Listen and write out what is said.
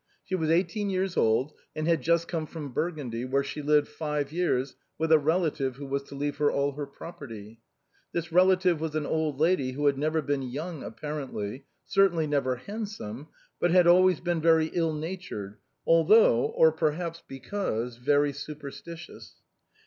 She was eighteen years old, and had just come from Burgundy, where she had lived five years with a relative who was to leave her all her property. This relative was an old lady who had never been young ap parently — certainly never handsome, but had always been very ill natured, although — or perhaps because — very super stitious.